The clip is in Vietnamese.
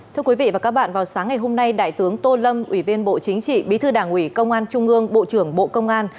thưa quý vị và các bạn vào sáng ngày hôm nay đại tướng tô lâm ủy viên bộ chính trị bí thư đảng ủy công an trung ương bộ trưởng bộ công an